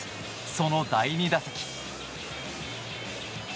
その第２打席。